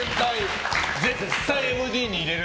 絶対ＭＤに入れる。